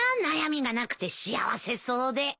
悩みがなくて幸せそうで。